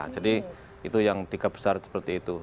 jadi itu yang tiga besar seperti itu